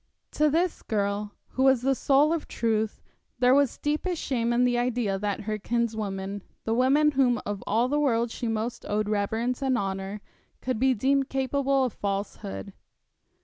To this girl, who was the soul of truth, there was deepest shame in the idea that her kinswoman, the woman whom of all the world she most owed reverence and honour, could be deemed capable of falsehood.